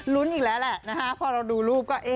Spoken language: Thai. รุ้นอีกแล้วล่ะนะฮะพอเราดูรูปก็